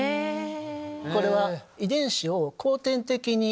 これは。